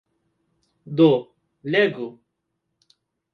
Do, legu!